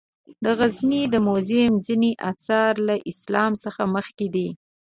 د غزني د موزیم ځینې آثار له اسلام څخه مخکې دي.